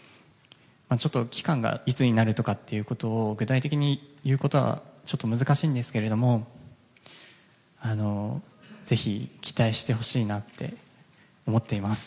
ちょっと期間がいつになるとかということを具体的に言うことはちょっと難しいんですけどもぜひ、期待してほしいなって思っています。